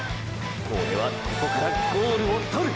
オレはここからゴールを獲る！！